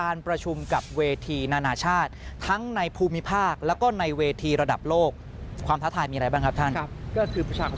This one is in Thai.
อะไรเวสของประเทศไทยนะครับ